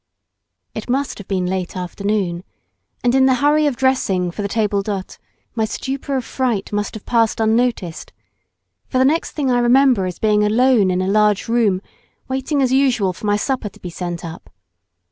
It must have been late afternoon, and in the hurry of dressing for the table d'hote my stupor of fright must have passed unnoticed, for the next thing I remember is being alone in a large room, waiting as usual for my supper to be sent up.